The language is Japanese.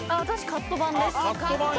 カットバンです。